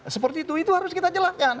seperti itu itu harus kita jelaskan